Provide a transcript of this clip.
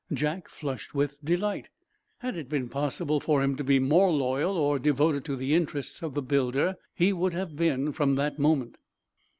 Jack flushed with delight. Had it been possible for him to be more loyal, or devoted to the interests of the builder, he would have been from that moment.